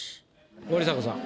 森迫さん。